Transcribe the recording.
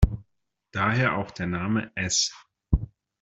Daher auch der Name „S.